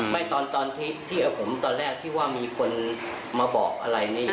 ไม่ตอนที่อีกว่ามีคนมาบอกอะไร